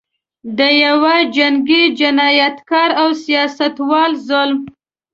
د یوه جنګي جنایتکار او سیاستوال ظلم.